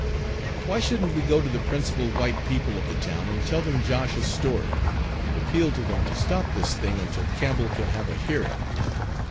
"Why shouldn't we go to the principal white people of the town and tell them Josh's story, and appeal to them to stop this thing until Campbell can have a hearing?"